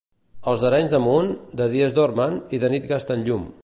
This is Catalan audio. Els d'Arenys de Munt, de dies dormen i de nit gasten llum.